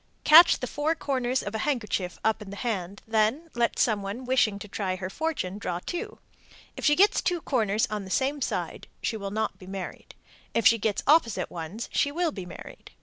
Catch the four corners of a handkerchief up in the hand, then let some one wishing to try her fortune draw two. If she gets two corners on the same side, she will not be married. If she gets opposite ones, she will be married.